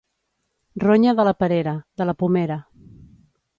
Ronya de la perera, de la pomera.